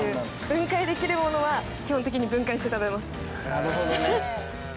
なるほどね。